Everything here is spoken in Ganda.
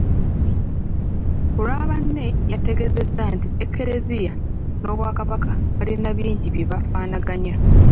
Ku lwa banne yategeezezza nti Ekereziya n'Obwakabaka balina bingi bye bafaananya.